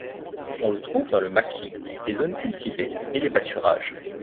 On le trouve dans le maquis, les zones cultivées et les pâturages.